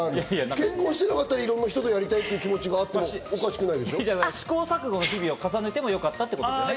結婚してなかったら、いろいろな人とやりたいっていう気持ちは、試行錯誤の日々を重ねてもよかったということですね。